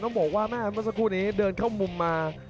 บอกว่าแม่เมื่อสักครู่นี้เดินเข้ามุมมา